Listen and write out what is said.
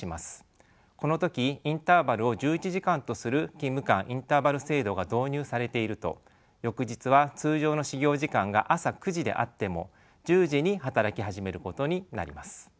この時インターバルを１１時間とする勤務間インターバル制度が導入されていると翌日は通常の始業時間が朝９時であっても１０時に働き始めることになります。